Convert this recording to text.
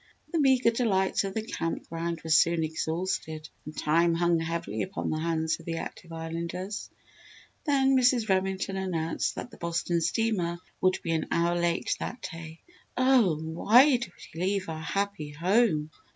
The meagre delights of the Camp Ground were soon exhausted and time hung heavily upon the hands of the active Islanders. Then Mrs. Remington announced that the Boston steamer would be an hour late that day. "Oh, why did we leave our happy home?"